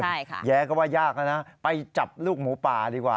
ใช่ค่ะแย้ก็ว่ายากแล้วนะไปจับลูกหมูป่าดีกว่า